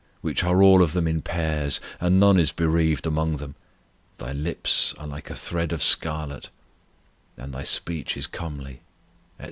Which are all of them in pairs, And none is bereaved among them. Thy lips are like a thread of scarlet, And thy speech is comely, etc.